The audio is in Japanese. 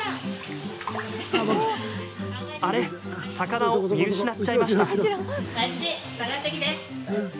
あれ、魚を見失っちゃいました。